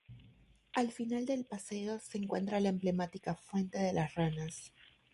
Al final del paseo se encuentra la emblemática fuente de las Ranas.